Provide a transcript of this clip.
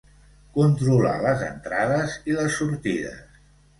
Controlar les entrades i les sortides.